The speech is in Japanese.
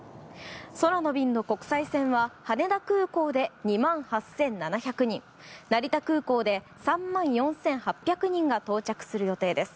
空の便の国際線は羽田空港で２万８７００人成田空港で３万４８００人が到着する予定です。